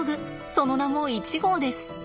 その名も１号です。